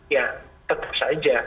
ya tetap saja